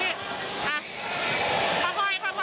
พี่ขอไปร้องข้างในก่อน